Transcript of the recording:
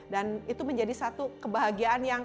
dan itu menjadi satu kebahagiaan yang